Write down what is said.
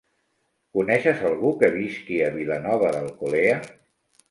Coneixes algú que visqui a Vilanova d'Alcolea?